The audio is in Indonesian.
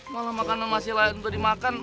malah makanan masih layak untuk dimakan